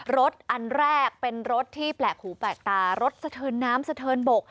รถอันแรกเป็นรถที่แปลกหูแปลกตารถสะเทินน้ำสะเทินบก